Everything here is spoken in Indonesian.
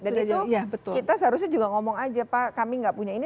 dan itu kita seharusnya juga ngomong aja pak kami tidak punya ini